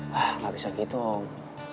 hah gak bisa gitu om